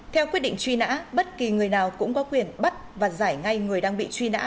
theo quyết định truy nã bất kỳ người nào cũng có quyền bắt và giải ngay người đang bị truy nã